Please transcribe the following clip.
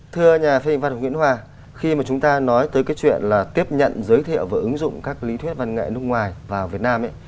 thưa nhà phê hình văn học nguyễn hòa khi mà chúng ta nói tới cái chuyện là tiếp nhận giới thiệu và ứng dụng các lý thuyết văn nghệ nước ngoài vào việt nam ấy